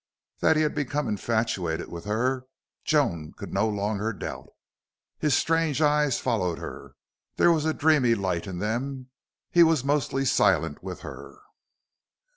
That he had become infatuated with her Joan could no longer doubt. His strange eyes followed her; there was a dreamy light in them; he was mostly silent with her.